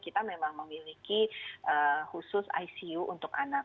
kita memang memiliki khusus icu untuk anak